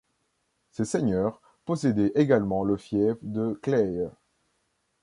Ses seigneurs possédaient également le fief de Claye.